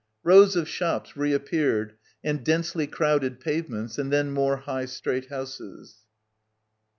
Rows of shops reappeared and densely crowded pavements, and then more high straight houses.